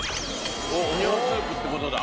オニオンスープって事だ。